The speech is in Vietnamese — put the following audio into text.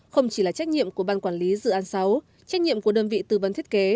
không chỉ là trách nhiệm của ban quản lý dự án sáu trách nhiệm của đơn vị tư vấn thiết kế